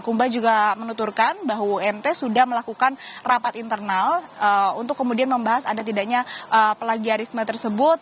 kumba juga menuturkan bahwa umt sudah melakukan rapat internal untuk kemudian membahas ada tidaknya plagiarisme tersebut